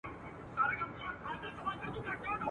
که به زما په دعا کیږي تا دی هم الله مین کړي.